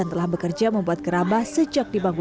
poner tanpa pelet untuk menangkap cerita lagu dan bagi